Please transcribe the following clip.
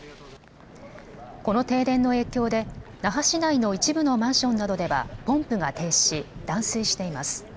この停電の影響で那覇市内の一部のマンションなどではポンプが停止し断水しています。